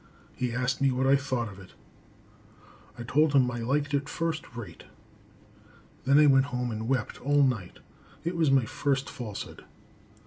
He asked me what I thought of it. I told him I liked it first rate. Then I went home and wept all night. It was my first falsehood.